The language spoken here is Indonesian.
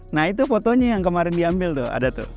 nah itu fotonya yang kemarin diambil tuh ada tuh